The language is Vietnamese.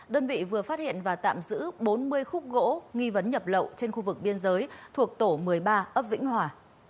đơn vị vừa phát hiện và tạm giữ bốn mươi khúc gỗ nghi vấn nhập lậu trên khu vực biên giới thuộc tổ một mươi ba ấp vĩnh hòa